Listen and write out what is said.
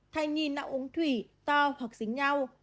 thai nhi nạo uống thủy to hoặc dính nhau